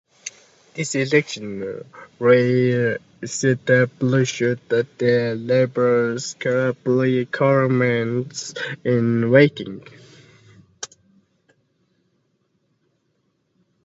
This election re-established the Liberals as a credible government-in-waiting.